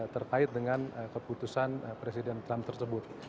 terkait dengan keputusan presiden trump tersebut